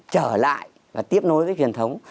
trở lại và tiếp nối với truyền thống